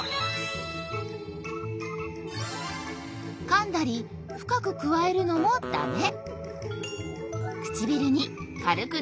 かんだりふかくくわえるのもダメ！